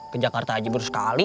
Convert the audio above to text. ke jakarta aja baru sekali